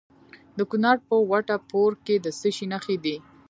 د کونړ په وټه پور کې د څه شي نښې دي؟